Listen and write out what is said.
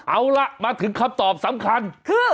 เอาล่ะมาถึงคำตอบสำคัญคือ